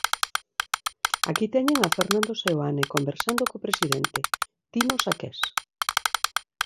Aquí teñen a Fernando Seoane conversando co presidente, Tino Saqués.